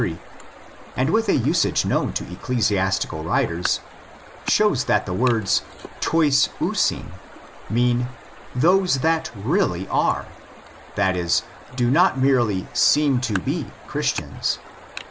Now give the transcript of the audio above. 3), and with a usage known to ecclesiastical writers, shows that the words τοῖς οὖσιν mean " those that really are ''—that is, do not merely seem to be—Christians.